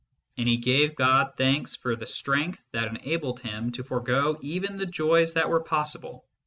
And he gave God thanks for the strength that enabled him to forgo even the joys that were possible.